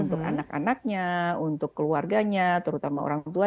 untuk anak anaknya untuk keluarganya terutama orang tua